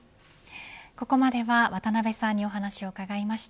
ここまでは渡辺さんにお話を伺いました。